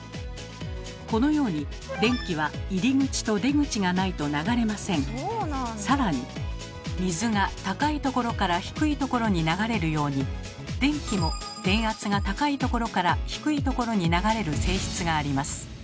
このように電気は更に水が高いところから低いところに流れるように電気も電圧が高いところから低いところに流れる性質があります。